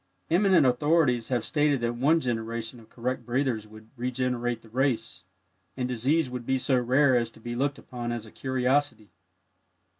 Eminent authorities have stated that one generation of correct breathers would regenerate the race, and disease would be so rare as to be looked upon as a curiosity.